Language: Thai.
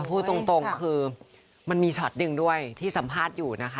พูดตรงคือมันมีช็อตหนึ่งด้วยที่สัมภาษณ์อยู่นะคะ